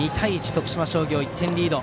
徳島商業が１点リード。